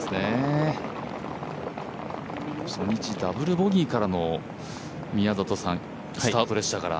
初日ダブルボギーからのスタートでしたから。